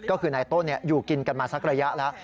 ก็คือนายต้นอยู่กินกันมาสักระยะแล้ว